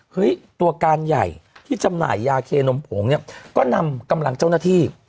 ตัวการใหญ่ที่จำหน่ายยาเคนมผงเนี่ยก็นำกำลังเจ้าหน้าที่